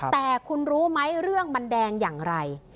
แต่คุณรู้ไหมเรื่องมันแดงอย่างไร